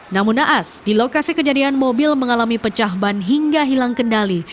namun naas di lokasi kejadian mobil mengalami pecah ban hingga hilang kendali